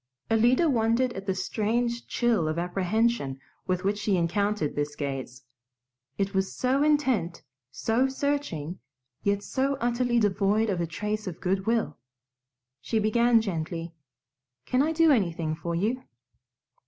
Alida wondered at the strange chill of apprehension with which she encountered this gaze. It was so intent, so searching, yet so utterly devoid of a trace of good will. She began gently, "Can I do anything for you?"